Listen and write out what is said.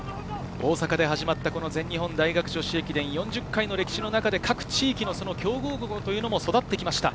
大阪で始まった全日本大学女子駅伝、４０回の歴史の中で各地域の強豪校というのも育ってきました。